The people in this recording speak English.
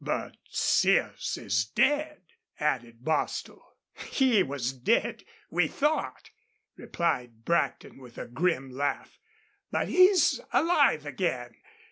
"But Sears is dead," added Bostil. "He was dead we thought," replied Brackton, with a grim laugh. "But he's alive again.